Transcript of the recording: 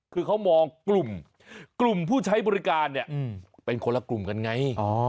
คือเขามองกลุ่มผู้ใช้บริการเนี่ยเป็นคนละกลุ่มกันไง